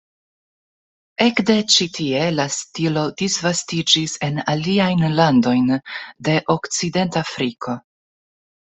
Ekde ĉi tie la stilo disvastiĝis en aliajn landojn de Okcidentafriko.